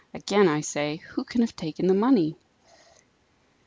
Again I say, who can have taken the money?"